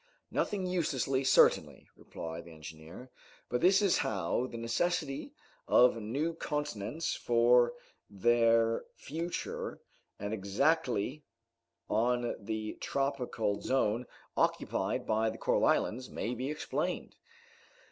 "Nothing uselessly, certainly," replied the engineer, "but this is how the necessity of new continents for the future, and exactly on the tropical zone occupied by the coral islands, may be explained.